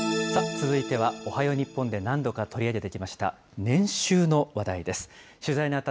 続いては、おはよう日本で何度か取り上げてきました